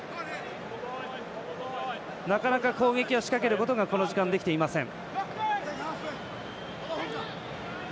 なかなか攻撃を仕掛けることがこの時間できていません。